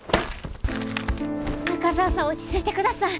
中澤さん落ち着いてください。